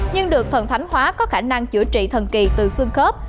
nhưng được thần thánh hóa có khả năng chữa trị thần kỳ từ xương khớp